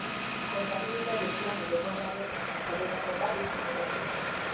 Kontabilitate Plan Orokorraren sortzaileetako bat izan zen.